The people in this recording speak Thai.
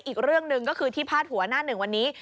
อีกเรื่องหนึ่งก็คือที่พาดหัวหน้าหนึ่งวันนี้